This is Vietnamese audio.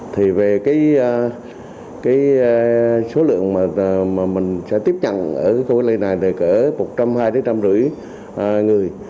thì về cái số lượng mà mình sẽ tiếp nhận ở khu cách ly này là kể cả một trăm hai mươi đến một trăm năm mươi người